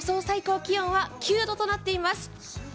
最高気温は９度となっています。